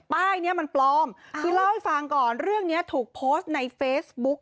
ป้ายนี้มันปลอมคือเล่าให้ฟังก่อนเรื่องนี้ถูกโพสต์ในเฟซบุ๊ก